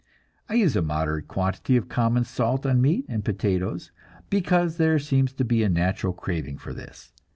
I use a moderate quantity of common salt on meat and potatoes, because there seems to be a natural craving for this.